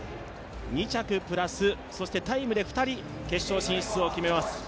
２着プラス、タイムで２人決勝進出を決めます。